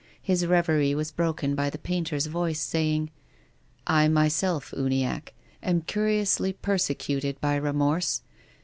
His reverie was broken by the painter's voice saying :" I myself, Uniacke, am curiously persecuted by remorse.